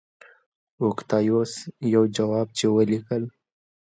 اوکتایوس په ځواب کې ولیکل